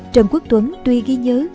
trần quốc tuấn tuy ghi nhớ